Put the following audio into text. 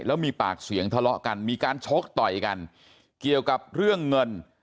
แล้วมีปากเสียงทะเลาะกันมีการชกต่อยกันเกี่ยวกับเรื่องเงิน